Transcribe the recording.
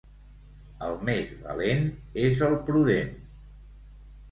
El més valent és el prudent.